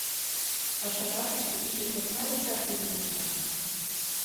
Паша жапыште иже посна лекташ ужын улыда!..